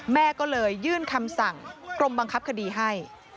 แม่ก็เลยยื่นคำสั่งกรมบังคับคดีให้